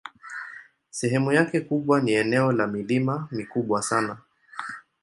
Sehemu yake kubwa ni eneo la milima mikubwa sana.